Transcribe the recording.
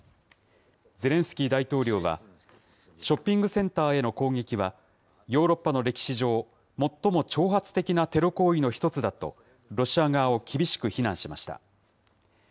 ゼレンスキー大統領は、ショッピングセンターへの攻撃は、ヨーロッパの歴史上、最も挑発的なテロ行為の一つだと、ロシア側を厳しく非難しました。